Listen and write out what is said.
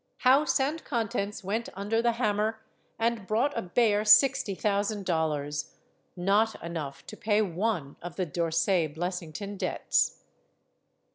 House and contents went under the hammer, and brought a bare sixty thousand dollars; not enough to pay one of the D'Orsay Blessington debts.